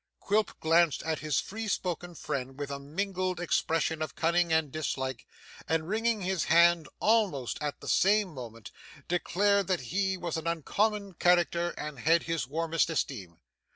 Quilp glanced at his free spoken friend with a mingled expression of cunning and dislike, and wringing his hand almost at the same moment, declared that he was an uncommon character and had his warmest esteem.